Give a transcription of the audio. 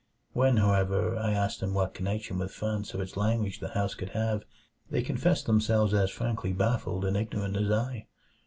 When, however, I asked them what connection with France or its language the house could have, they confessed themselves as frankly baffled and ignorant as I.